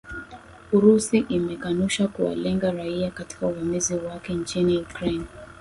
Urusi imekanusha kuwalenga raia katika uvamizi wake nchini Ukraine